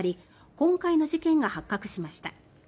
今回の事件が発覚しました。